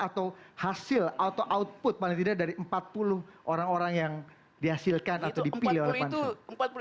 atau hasil atau output paling tidak dari empat puluh orang orang yang dihasilkan atau dipilih oleh pansus